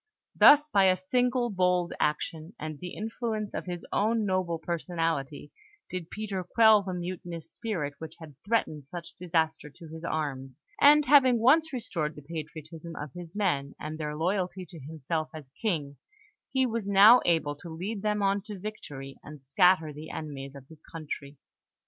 Thus, by a single bold action, and the influence of his own noble personality, did Peter quell the mutinous spirit which had threatened such disaster to his arms; and, having once restored the patriotism of his men, and their loyalty to himself as King, he was now able to lead them on to victory, and scatter the enemies of his country.